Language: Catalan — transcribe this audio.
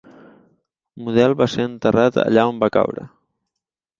Model va ser enterrat allà on va caure.